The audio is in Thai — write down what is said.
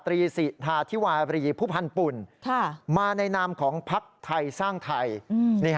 ตรีสิทาธิวารีผู้พันธ์ปุ่นมาในนามของพักไทยสร้างไทย